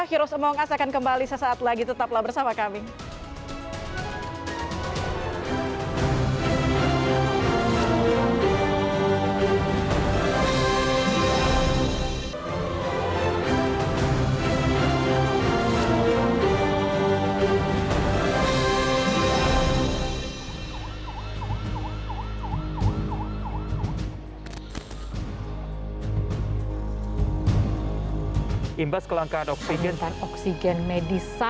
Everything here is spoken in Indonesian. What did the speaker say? heroes among us akan kembali sesaat lagi tetaplah bersama kami